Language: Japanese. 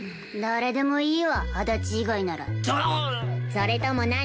それとも何？